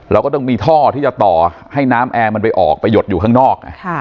เราก็ต้องมีท่อที่จะต่อให้น้ำแอร์มันไปออกไปหยดอยู่ข้างนอก